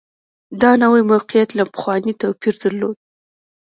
دا نوي موقعیت له پخواني توپیر درلود